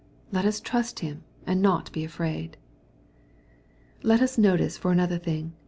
Ctjet ns trust Him and not be afraid. \ Let us notice for another things ?